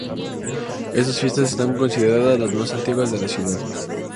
Estas fiestas están consideradas las más antiguas de la ciudad.